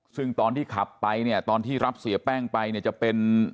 ซึ่งตอนที่ขับไปเนี่ยตอนที่รับเสียแป้งไปเนี่ยจะเป็น